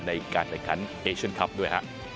ในการดัยการแอเชียลคับด้วย